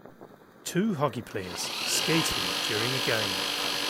Two hockey players skating during a game